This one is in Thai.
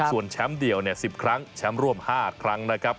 ส่วนแชมป์เดี่ยว๑๐ครั้งแชมป์ร่วม๕ครั้งนะครับ